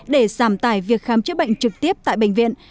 để giảm tải việc khám chữa bệnh trực tiếp tại bệnh viện